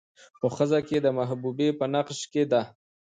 خو ښځه که د محبوبې په نقش کې ده